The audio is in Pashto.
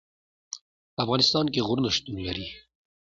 په افغانستان کې غرونه شتون لري.